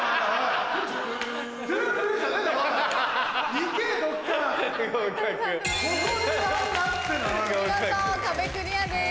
見事壁クリアです。